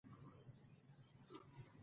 د دوى لاس نه ورته رسېږي.